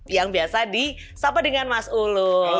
yang biasa di sapa dengan mas ulul